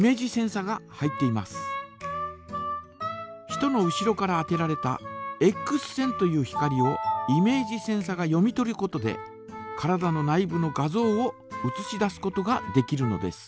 人の後ろから当てられたエックス線という光をイメージセンサが読み取ることで体の内部の画像をうつし出すことができるのです。